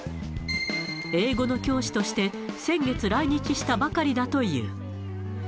英語の教師として先月、来日したばかりだという。